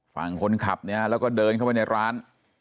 ฝั่งคนขับเนี่ยแล้วก็เดินเข้าไปในร้าน